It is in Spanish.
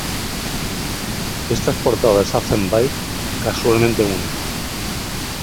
Estas portadas hacen a "Byte" visualmente única.